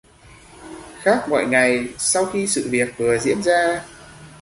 Khác mọi ngày sau khi sự việc vừa diễn ra